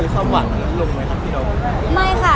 คือเขาหวังลงไหมคะพี่ดอง